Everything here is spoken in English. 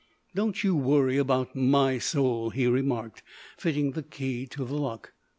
"Don't you worry about my soul," he remarked, fitting the key to the lock.